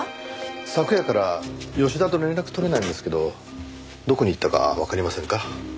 昨夜から吉田と連絡取れないんですけどどこに行ったかわかりませんか？